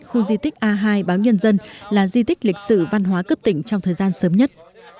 khu di tích a hai báo nhân dân là di tích lịch sử văn hóa cấp tỉnh trong thời gian sớm nhất